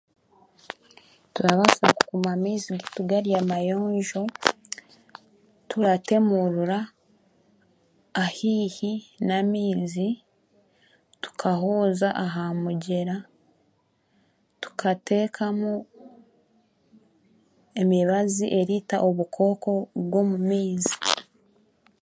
Turabaasa kukuuma amaizi gari amayonjo, turatemuurura, ahaihi n'amaizi, tukahooza aha mugyera, tukateekamu emibazi eriita obukooko, bw'omu maizi.